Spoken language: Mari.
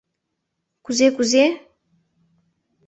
Кузе-кузе?..